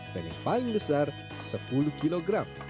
dan yang paling besar sepuluh kg